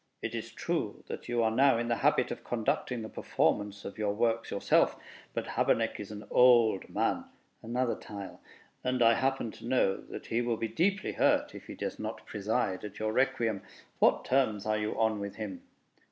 "It is true that you are now in the habit of conducting the performance of your works yourself; but Habeneck is an old man" (another tile), "and I happen to know that he will be deeply hurt if he does not preside at your Requiem. What terms are you on with him?"